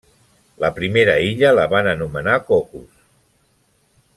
La primera illa la van anomenar Cocos.